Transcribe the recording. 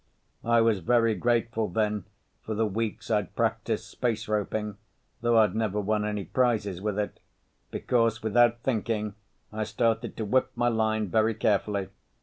I was very grateful then for the weeks I'd practiced space roping, though I'd never won any prizes with it, because without thinking I started to whip my line very carefully.